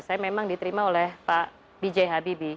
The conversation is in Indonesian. saya memang diterima oleh pak bjh